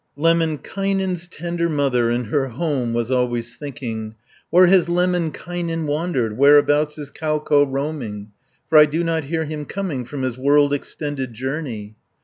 Lemminkainen's tender mother In her home was always thinking, "Where has Lemminkainen wandered, Whereabouts is Kauko roaming, For I do not hear him coming From his world extended journey?"